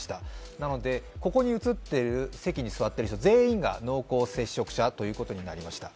なのでここに映っている席に座っている人、全員が濃厚接触者ということになりました。